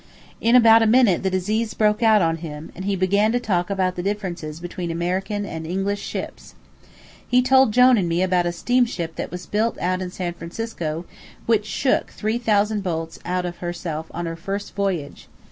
In about a minute the disease broke out on him, and he began to talk about the differences between American and English ships. He told Jone and me about a steamship that was built out in San Francisco which shook three thousand bolts out of herself on her first voyage.